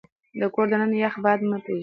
د کور دننه يخ باد مه پرېږدئ.